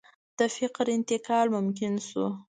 د فکر انتقال ممکن شو.